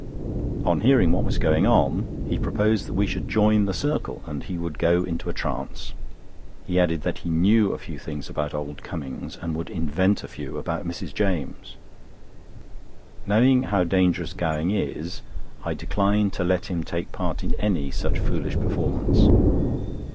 On hearing what was going on, he proposed that we should join the circle and he would go into a trance. He added that he knew a few things about old Cummings, and would invent a few about Mrs. James. Knowing how dangerous Gowing is, I declined to let him take part in any such foolish performance.